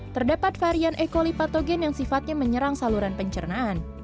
terdapat varian e coli patogen yang sifatnya menyerang saluran pencernaan